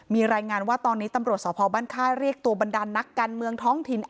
มีรายงานว่าตอนนี้ตำรวจสพบ้านค่ายเรียกตัวบรรดานนักการเมืองท้องถิ่น